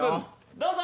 どうぞ！